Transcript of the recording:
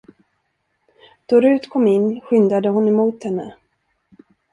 Då Rut kom in, skyndade hon emot henne.